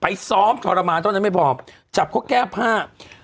ซ้อมทรมานเท่านั้นไม่พอจับเขาแก้ผ้า